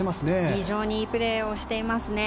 非常にいいプレーをしてますね。